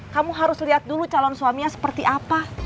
kamu harus lihat dulu calon suaminya seperti apa